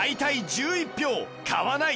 １１票「買わない」